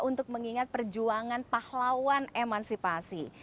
untuk mengingat perjuangan pahlawan emansipasi